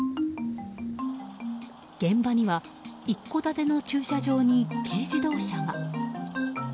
現場には一戸建ての駐車場に軽自動車が。